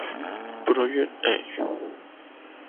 Project Egg.